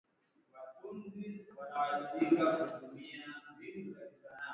wa karibu huko nchini Bahrain kuhusiana na mauaji hayo ya watu wengi